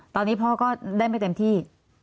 ตอนนี้พ่อก็ได้ไม่เต็มที่